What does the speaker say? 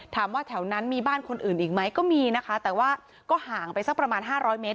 แถวนั้นมีบ้านคนอื่นอีกไหมก็มีนะคะแต่ว่าก็ห่างไปสักประมาณ๕๐๐เมตร